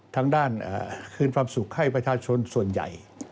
ทางด้านคืนความสุขให้ประชาชนส่วนใหญ่